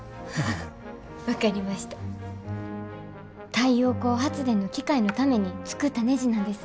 太陽光発電の機械のために作ったねじなんです。